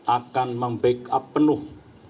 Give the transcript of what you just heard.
akan membackup penuh